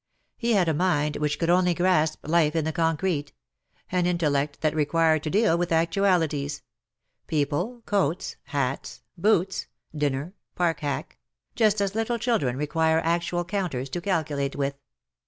He had a mind which could only grasp life in the concrete — an intellect that required to deal with actualities — people, coats, hats, boots, dinner, park hack — ^just as little children require actual counters to calculate with.